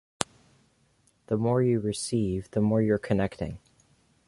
The more you receive, the more you're connecting.